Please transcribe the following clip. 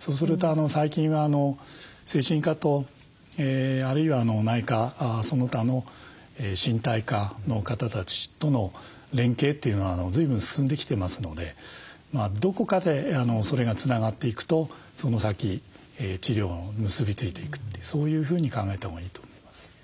そうすると最近は精神科とあるいは内科その他の身体科の方たちとの連携というのはずいぶん進んできてますのでどこかでそれがつながっていくとその先治療に結び付いていくってそういうふうに考えたほうがいいと思います。